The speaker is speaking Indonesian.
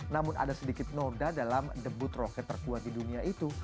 namun ada sedikit noda dalam debut roket terkuat di dunia itu